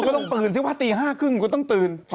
มันก็ต้องตื่นซึ่งว่าตี๕๓๐กูต้องตื่น